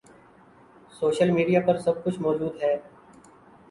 social media پر سب کچھ موجود ہے